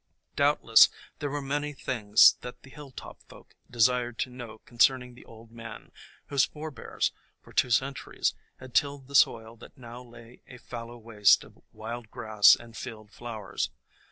Doubtless there were many things that the hilltop folk desired to know concerning the old man, whose forbears for two centuries had tilled the soil that now lay a fallow waste of wild grass and field flowers.